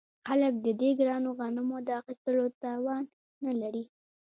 خلک د دې ګرانو غنمو د اخیستلو توان نلري